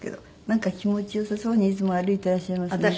なんか気持ちよさそうにいつも歩いていらっしゃいますね。